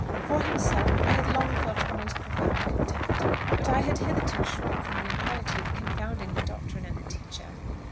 For himself I had long felt the most profound contempt; but I had hitherto shrunk from the impiety of confounding the doctrine and the teacher.